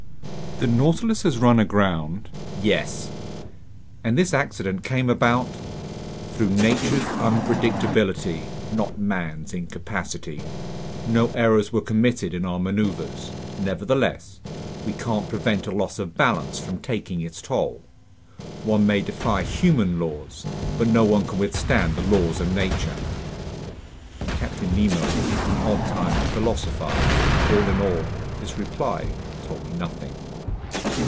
"The Nautilus has run aground?" "Yes." "And this accident came about ...?" "Through nature's unpredictability, not man's incapacity. No errors were committed in our maneuvers. Nevertheless, we can't prevent a loss of balance from taking its toll. One may defy human laws, but no one can withstand the laws of nature." Captain Nemo had picked an odd time to philosophize. All in all, this reply told me nothing.